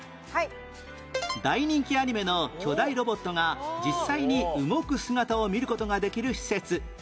大人気アニメの巨大ロボットが実際に動く姿を見る事ができる施設